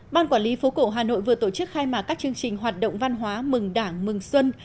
ban quản lý phố cổ hà nội vừa tổ chức khai mạc các chương trình hoạt động văn hóa mừng đảng mừng xuân